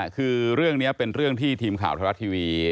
คือเรื่องนี้เป็นเรื่องที่ทีมข่าวไทยรัฐทีวี